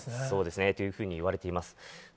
そうですね。というふうにいわれています。